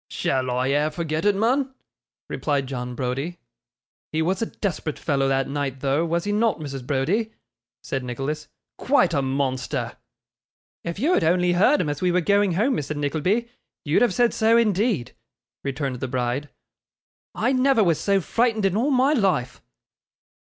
'Shall I e'er forget it, mun?' replied John Browdie. 'He was a desperate fellow that night though, was he not, Mrs. Browdie?' said Nicholas. 'Quite a monster!' 'If you had only heard him as we were going home, Mr. Nickleby, you'd have said so indeed,' returned the bride. 'I never was so frightened in all my life.